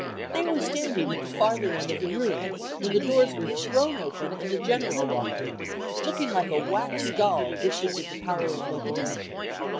They were standing at the farther end of the room when the doors were thrown open, and the General walked in, looking like a wax doll gifted with the power of locomotion.